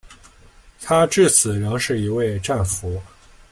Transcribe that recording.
他至死仍是一位战俘。